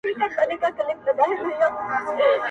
زه په تنهايي کي لاهم سور یمه,